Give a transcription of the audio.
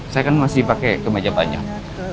saya kan masih pakai kemeja banyak